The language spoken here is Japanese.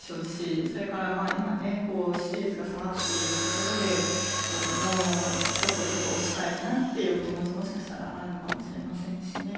それから、今支持率が下がっているところでもうひと声押したいなというお気持ちがもしかしたらあるかもしれませんしね。